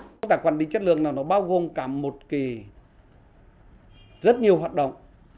công tác quản lý chất lượng này nó bao gồm cả một kỳ rất nhiều hoạt động